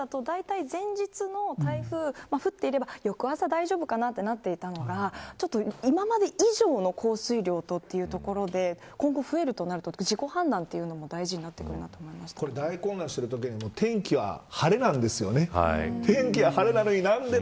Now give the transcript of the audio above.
今までだとだいたい前日の台風降っていれば、翌朝大丈夫かなと思っていたのが今まで以上の降水量というところで今後、増えるとなると自己判断も大事になってくるなと大混乱してるときも天気は晴れなんですよね。